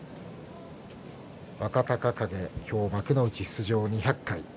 若隆景、今日幕内出場２００回。